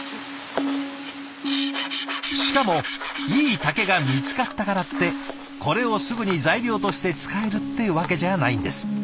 しかもいい竹が見つかったからってこれをすぐに材料として使えるってわけじゃないんです。